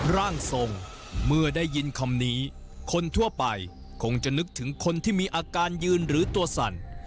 ร่างทรงเมื่อได้ยินคำนี้คนทั่วไปคงจะนึกถึงคนที่มีอาการยืนหรือตัวสั่น